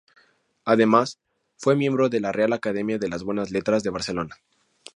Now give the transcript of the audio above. Además, fue miembro de la Real Academia de las Buenas Letras de Barcelona.